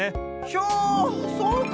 ひょそうか！